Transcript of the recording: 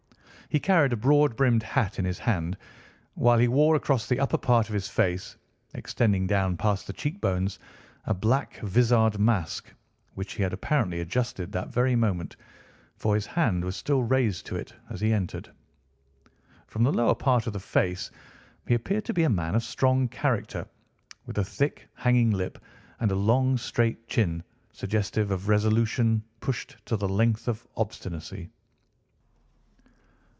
He carried a broad brimmed hat in his hand, while he wore across the upper part of his face, extending down past the cheekbones, a black vizard mask, which he had apparently adjusted that very moment, for his hand was still raised to it as he entered. From the lower part of the face he appeared to be a man of strong character, with a thick, hanging lip, and a long, straight chin suggestive of resolution pushed to the length of obstinacy.